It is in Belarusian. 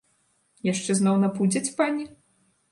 Яшчэ зноў напудзяць пані?